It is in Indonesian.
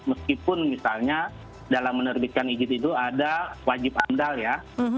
meskipun misalnya dalam menerbitkan izin itu ada wajib amdal ya